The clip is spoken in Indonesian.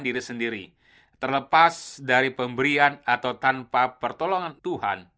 diri sendiri terlepas dari pemberian atau tanpa pertolongan tuhan